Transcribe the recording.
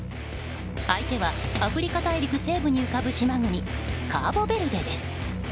相手はアフリカ大陸西部に浮かぶ島国カーボベルデです。